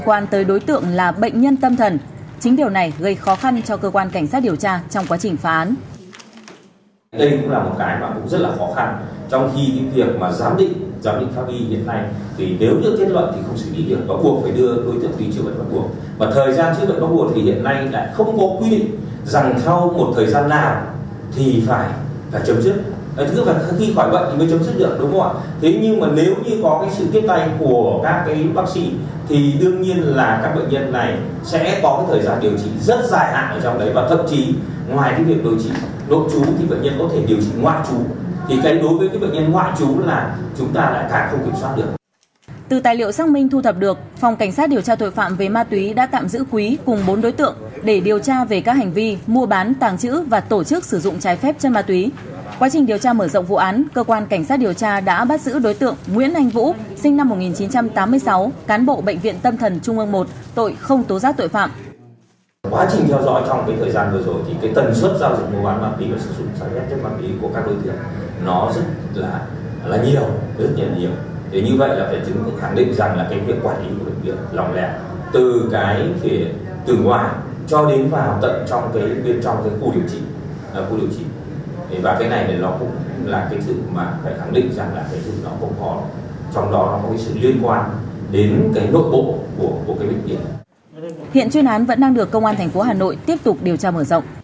quá trình điều tra mở rộng vụ án cơ quan cảnh sát điều tra tội phạm về ma túy đã bắt giữ đối tượng nguyễn anh vũ sinh năm một nghìn chín trăm tám mươi sáu cán bộ bệnh viện tâm thần trung ương một tội không tố giác tội phạm